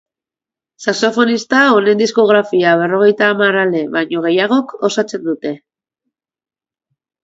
Saxofonista honen diskografia berrogeita hamar ale baino gehiagok osatzen dute.